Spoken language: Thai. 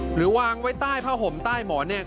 หรือวางไว้ใต้ผ้าห่มใต้หมอนเนี่ย